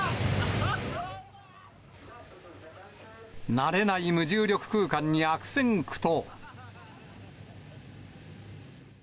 慣れない無重力空間に悪戦苦闘。